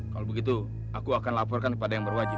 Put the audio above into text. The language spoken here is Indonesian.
kalau begitu aku akan laporkan kepada yang berwajib